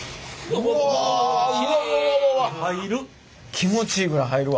気持ちいいぐらい入るわ。